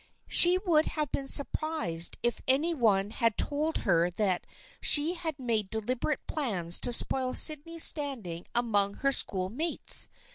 She would have been surprised if any one had told her that she had made deliberate plans to spoil Sydney's standing among her school mates.